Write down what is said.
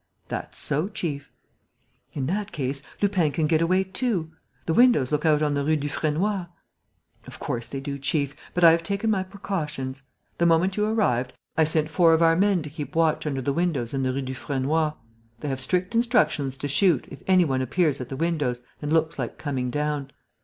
"That's so, chief." "In that case, Lupin can get away too. The windows look out on the Rue Dufresnoy." "Of course they do, chief; but I have taken my precautions. The moment you arrived, I sent four of our men to keep watch under the windows in the Rue Dufresnoy. They have strict instructions to shoot, if any one appears at the windows and looks like coming down.